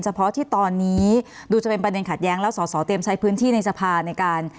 เพาะที่ตอนนี้ดูจะเป็นประเด็นขัดแย้งแล้วสอสอเตรียมใช้พื้นที่ในสภาในการ